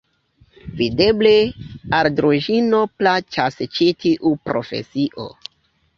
Videble, al Druĵino plaĉas ĉi tiu profesio!